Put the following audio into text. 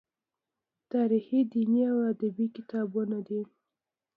تاریخي، دیني او ادبي کتابونه دي.